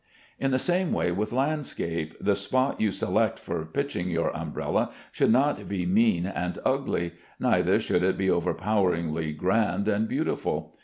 In the same way with landscape, the spot you select for pitching your umbrella should not be mean and ugly, neither should it be overpoweringly grand and beautiful.